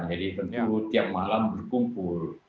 jadi tentu tiap malam berkumpul